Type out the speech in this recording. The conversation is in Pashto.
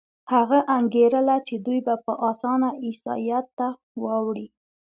هغه انګېرله چې دوی به په اسانه عیسایت ته واوړي.